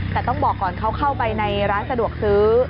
แต่ต้องบอกก่อนเขาเข้าไปในร้านสะดวกซื้อ